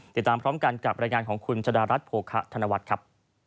ติดตามพร้อมกันกับรายงานของคุณชะดารัฐโภคะธนวัฒน์ครับ